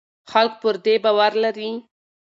خلک پر دې باور لري.